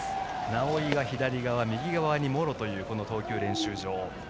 直井が左側、右側に茂呂という投球練習場。